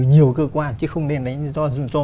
nhiều cơ quan chứ không nên đánh do